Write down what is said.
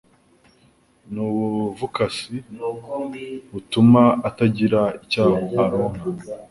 ni ubuvukasi butuma atagira icyo aronka